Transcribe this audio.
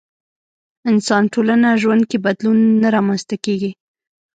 انسان ټولنه ژوند کې بدلون نه رامنځته کېږي.